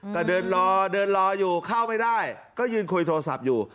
ก็เดินรอเดินรออยู่เข้าไม่ได้ก็ยืนคุยโทรศัพท์อยู่